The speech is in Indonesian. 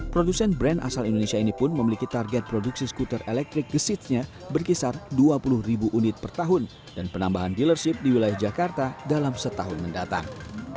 produsen brand asal indonesia ini pun memiliki target produksi skuter elektrik gesitnya berkisar dua puluh ribu unit per tahun dan penambahan dealership di wilayah jakarta dalam setahun mendatang